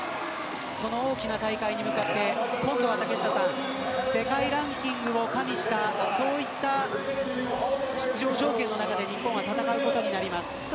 その大きな大会に向かって今度は世界ランキングを加味したそうした出場条件の中で日本は戦うことになります。